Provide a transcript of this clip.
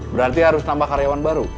berarti harus nambah karyawan baru